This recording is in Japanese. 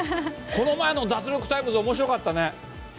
この前の脱力タイムズおもしろかったね。